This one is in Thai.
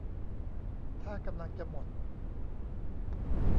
ถ้ากำลังจะหมด